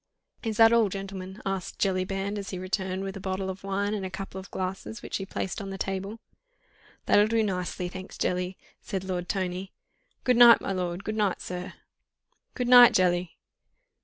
"Is that all, gentlemen?" asked Jellyband, as he returned with a bottle of wine and a couple of glasses, which he placed on the table. "That'll do nicely, thanks, Jelly!" said Lord Tony. "Good night, my lord! Good night, sir!" "Good night, Jelly!"